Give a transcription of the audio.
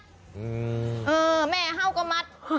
เออแม่ฮาวก็มัด